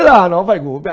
đấy là nó phải ngủ với mẹ